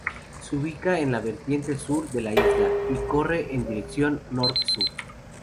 Se ubica en la vertiente sur de la isla, y corre en dirección norte-sur.